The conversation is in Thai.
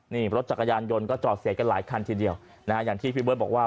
นี่รถจักรยานยนต์ก็จอดเสียกันหลายคันทีเดียวนะฮะอย่างที่พี่เบิร์ตบอกว่า